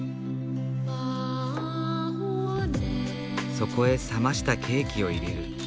そこへ冷ましたケーキを入れる。